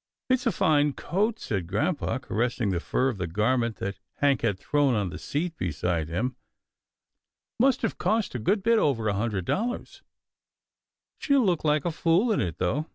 " It's a fine coat," said grampa, caressing the fur of the garment that Hank had thrown on the seat beside him. " Must have cost a good bit over a hundred dollars. She'll look like a fool in it, though."